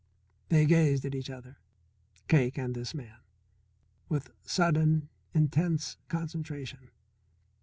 They gazed at each other, Cake and this man, with sudden, intense concentration.